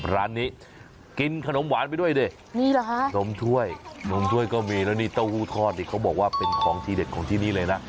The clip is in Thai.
ร้านนี้กินขนมหวานไปด้วยได้นมถ้วยนมถ้วยก็มีแล้วตัวอูทอดเขาบอกว่าเป็นของที่เด็ดของที่นี้เลยนะ